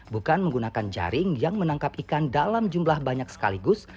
bukan menggunakan jaring yang menangkap ikan dalam jumlah banyak sekaligus